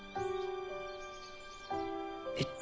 えっと。